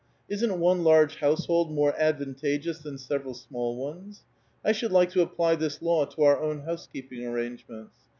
Isn't one ^si^rge household more advantageous than several small ones? should like to apply this law to our own housekeeping xraiigements.